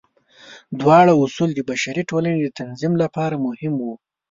دواړه اصول د بشري ټولنې د تنظیم لپاره مهم وو.